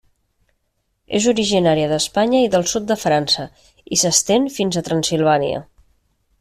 És originària d'Espanya i del sud de França, i s'estén fins a Transsilvània.